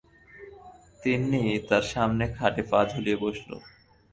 তিন্নি তাঁর সামনের খাটে পা ঝুলিয়ে বসল।